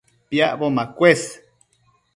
Piacbo macuës